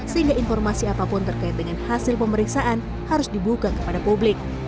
sehingga informasi apapun terkait dengan hasil pemeriksaan harus dibuka kepada publik